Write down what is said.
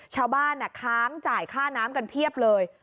ชาวบ้านค้างจ่ายค่าน้ำกันเพียบเลย